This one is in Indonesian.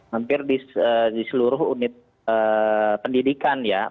hampir di seluruh unit pendidikan ya